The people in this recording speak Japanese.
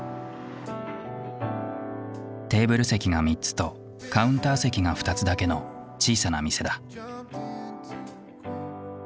テーブル席が３つとカウンター席が２つだけの小さな店だ。